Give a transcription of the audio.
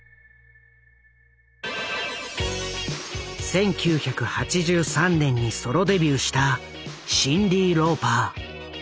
１９８３年にソロデビューしたシンディ・ローパー。